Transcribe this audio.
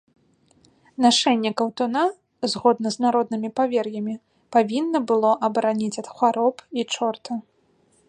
Нашэнне каўтуна, згодна з народнымі павер'ямі, павінна было абараніць ад хвароб і чорта.